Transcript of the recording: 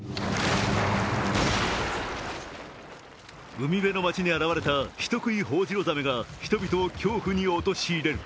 海辺の街に現れた人食いホホジロザメが人々を恐怖に陥れる。